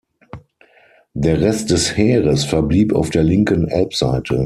Der Rest des Heeres verblieb auf der linken Elbseite.